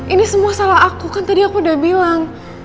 ini semua salah aku kan tadi aku udah bilang